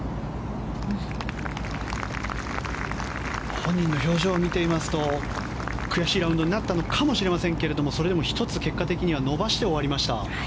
本人の表情を見ていますと悔しいラウンドになったのかもしれませんけれどもそれでも１つ結果的には伸ばして終わりました。